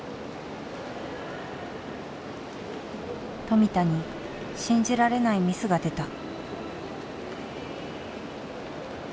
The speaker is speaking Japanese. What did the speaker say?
富田に信じられないミスが出た。